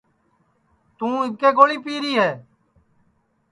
توں اِٻکے گوݪی پیری ہے